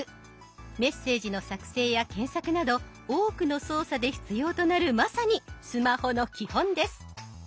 メッセージの作成や検索など多くの操作で必要となるまさにスマホの基本です。